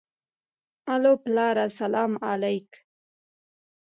الو پلاره سلام عليک.